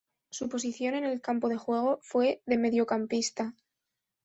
Su posición en el campo de juego, fue de mediocampista.